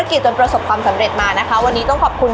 มีขอเสนออยากให้แม่หน่อยอ่อนสิทธิ์การเลี้ยงดู